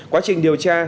quá trình điều tra